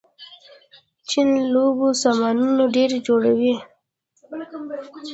چین د لوبو سامانونه ډېر جوړوي.